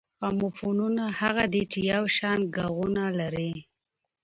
اموفونونه هغه دي، چي یو شان ږغونه لري.